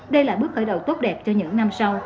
đây là bước khởi đầu tốt đẹp cho những năm sau